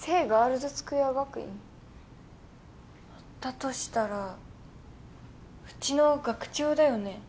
としたらうちの学長だよね？